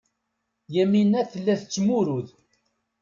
Yamina tella tettmurud.